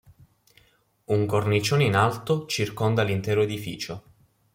Un cornicione in alto circonda l'intero edificio.